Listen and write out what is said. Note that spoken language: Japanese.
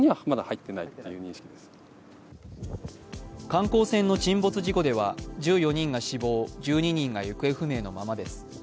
観光船の沈没事故では１４人が死亡、１２人が行方不明のままです。